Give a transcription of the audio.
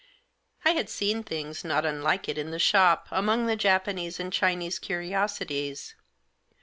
I had seen things not unlike it in the shop, among the Japanese and Chinese curiosities.